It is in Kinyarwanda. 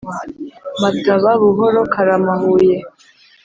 Mataba Buhoro Karama Huye